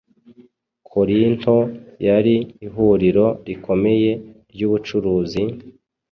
Korinto yari ihuriro rikomeye ry’ubucuruzi,